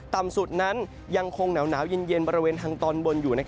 ต่ำสุดนั้นยังคงหนาวเย็นบริเวณทางตอนบนอยู่